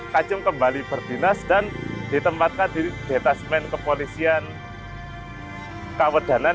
kacung kembali berdinas dan ditempatkan di detasmen kepolisian kawedanan